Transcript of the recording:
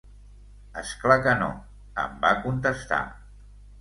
És clar que no, em va contestar.